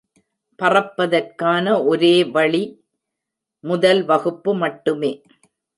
பறப்பதற்கான ஒரே வழி முதல் வகுப்பு மட்டுமே